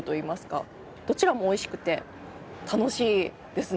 どちらもおいしくて楽しいですね